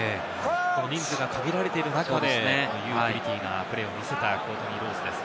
人数が限られている中でユーティリティーなプレーを見せたコートニー・ロウズです。